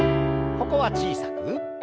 ここは小さく。